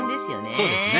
そうですね。